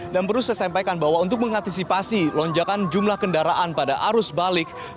dan perlu saya sampaikan bahwa untuk mengantisipasi lonjakan jumlah kendaraan pada arus balik